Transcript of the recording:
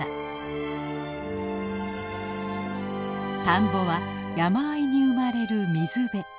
田んぼは山あいに生まれる水辺。